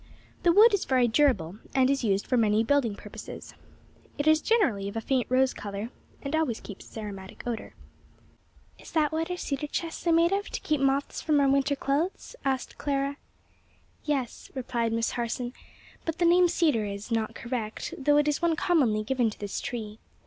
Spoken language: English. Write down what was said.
The wood is very durable, and is used for many building purposes. It is generally of a faint rose color, and always keeps its aromatic odor." [Illustration: IRISH JUNIPER.] "Is that what our cedar chests are made of to keep the moths from our winter clothes?" asked Clara. "Yes," replied Miss Harson, "but the name 'cedar' is; not correct, though it is one commonly given to this tree.